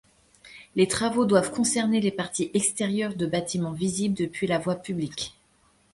Les travaux doivent concerner les parties extérieures de bâtiments visibles depuis la voie publique.